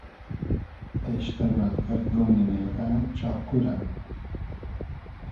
اېشتۂ بئل گئردۉنی نیلغۂ چاقو رۂ